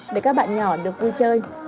để các bạn nhỏ được vui chơi